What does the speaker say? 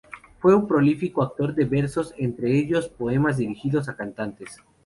Fue un prolífico autor de versos, entre ellos poemas dirigidos a cantantes.